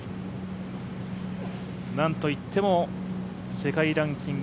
なんといっても、世界ランキング